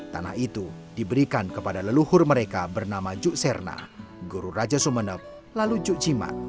tanah itu diberikan kepada leluhur mereka bernama juk serna guru raja sumeneb lalu juk jimat